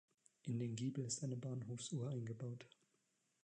In dem Giebel ist eine Bahnhofsuhr eingebaut.